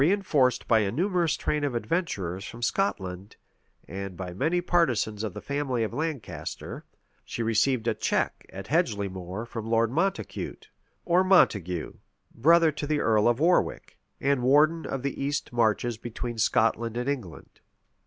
} Though reënforced by a numerous train of adventurers from Scotland, and by many partisans of the family of Lancaster she received a check at Hedgley more from Lord Montacute, or Montague, brother to the earl of Warwick, and warden of the east marches between Scotland and England.